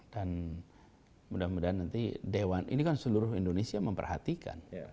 mudah mudahan nanti dewan ini kan seluruh indonesia memperhatikan